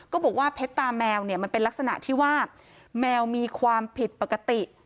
บอกว่าเพชรตาแมวเนี่ยมันเป็นลักษณะที่ว่าแมวมีความผิดปกติ